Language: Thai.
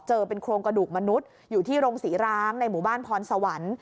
เจอเป็นโครงกระดูกมนุษย์อยู่ที่โรงศรีร้างในหมู่บ้านพรสวรรค์